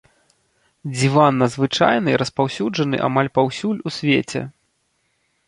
Дзіванна звычайны распаўсюджаны амаль паўсюль у свеце.